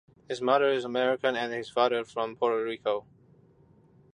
His mother is American and his father is from Puerto Rico.